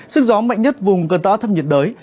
sức gió mạnh nhất vùng gần tựa át thấp nhiệt đới